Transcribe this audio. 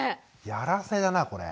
やらせだなこれ。